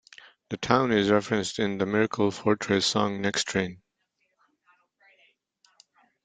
The town is referenced in the Miracle Fortress song Next Train.